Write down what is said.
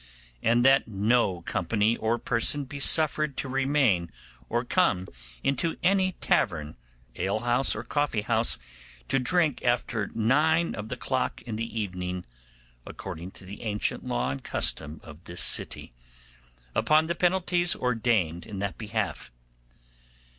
And that no company or person be suffered to remain or come into any tavern, ale house, or coffee house to drink after nine of the clock in the evening, according to the ancient law and custom of this city, upon the penalties ordained in that behalf.